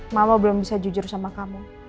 mama belum bisa jujur sama kamu